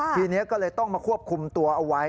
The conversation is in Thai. ทีนี้ก็เลยต้องมาควบคุมตัวเอาไว้